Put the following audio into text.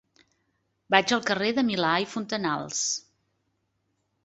Vaig al carrer de Milà i Fontanals.